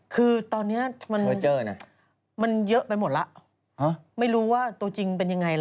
คือตอนนี้มันเยอะไปหมดแล้วไม่รู้ว่าตัวจริงเป็นยังไงล่ะ